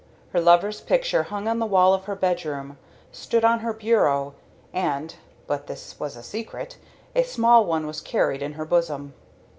Her lover's picture hung on the wall of her bedroom, stood on her bureau, and (but this was a secret) a small one was carried in her bosom.